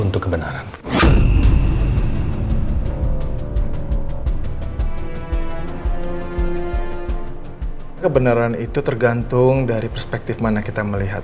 tapi kan tidak bermoment